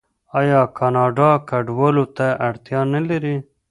آیا کاناډا کډوالو ته اړتیا نلري؟